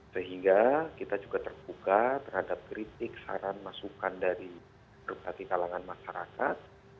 sehingga kita juga terbuka terhadap kritik saran masukan dari berbagai kalangan masyarakat